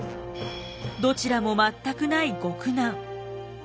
どちらも全くない極難。